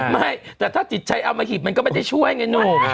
ไม่แต่ถ้าจิตชัยเอามาหีบมันก็ไม่ได้ช่วยไงหนุ่ม